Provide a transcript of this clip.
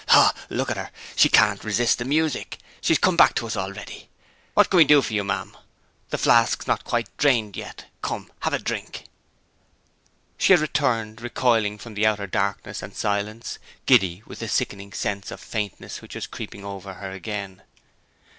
Ho! ho! look at her! She can't resist the music she has come back to us already. What can we do for you, ma'am? The flask's not quite drained yet. Come and have a drink." She had returned, recoiling from the outer darkness and silence, giddy with the sickening sense of faintness which was creeping over her again.